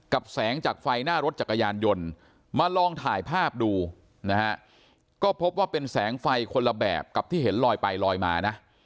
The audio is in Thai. แสงจากไฟหน้ารถจักรยานยนต์มาลองถ่ายภาพดูนะฮะก็พบว่าเป็นแสงไฟคนละแบบกับที่เห็นลอยไปลอยมานะ